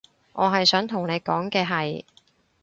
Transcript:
我係想同你講嘅係